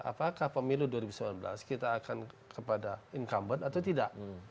apakah pemilu dua ribu sembilan belas kita akan kepada incumbent atau tidak